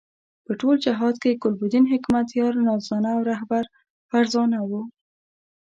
په ټول جهاد کې ګلبدین حکمتیار نازدانه او رهبر فرزانه وو.